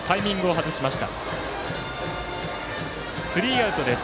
スリーアウトです。